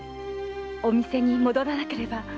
お店に戻らなければ。